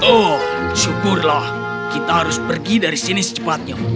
oh syukurlah kita harus pergi dari sini secepatnya